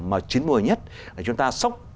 mà chính mùa nhất chúng ta sốc